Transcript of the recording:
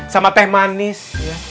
sama teh manis